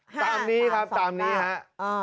๕๓๒๙ตามนี้ครับตามนี้ฮะ๕๓๒๙อ่า